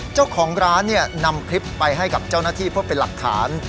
เจ้าของร้านนำคลิปไปให้กับเจ้าหน้าที่เพื่อเป็นหลักฐาน